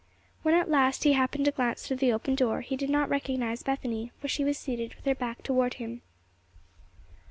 When, at last, he happened to glance through the open door, he did not recognize Bethany, for she was seated with her back toward him.